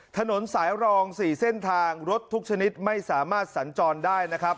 ถนนสายรอง๔เส้นทางรถทุกชนิดไม่สามารถสัญจรได้นะครับ